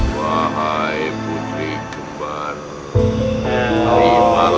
wahai putri kembal amin